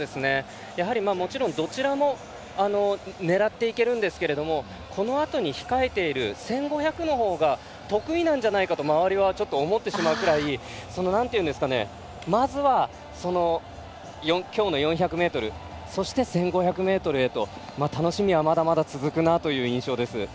どちらも狙っていけるんですけどもこのあとに控えている１５００のほうが得意なんじゃないかと周りは思ってしまうくらいまずは、今日の４００ｍそして、１５００ｍへと楽しみはまだまだ続くなという印象です。